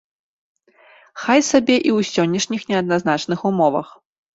Хай сабе і ў сённяшніх неадназначных умовах.